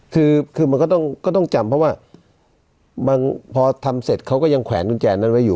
คือคือมันก็ต้องจำเพราะว่าบางพอทำเสร็จเขาก็ยังแขวนกุญแจนั้นไว้อยู่